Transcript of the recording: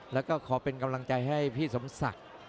แล้วก็ขอเป็นกำลังใจให้พี่สมศักดิ์